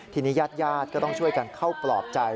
ทีนี้ญาติญาติก็ต้องช่วยกันเข้าปลอบใจ